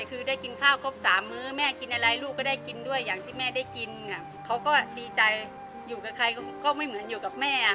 ก็ไม่เหมือนอยู่กับแม่ค่ะ